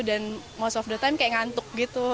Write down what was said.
dan most of the time kayak ngantuk gitu